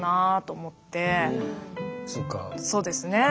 そうですね。